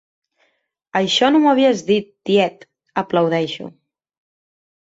Això no m'ho havies dit, tiet! —aplaudeixo.